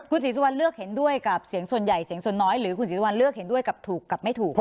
ศรีสุวรรณเลือกเห็นด้วยกับเสียงส่วนใหญ่เสียงส่วนน้อยหรือคุณศรีสุวรรณเลือกเห็นด้วยกับถูกกับไม่ถูก